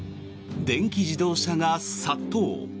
電気自動車が殺到。